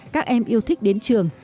các em yêu thích đến trường